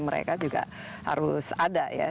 mereka juga harus ada ya